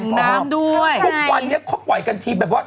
ชาวนี้ทุกวันนี้เขาปล่อยกันทีแบบว่า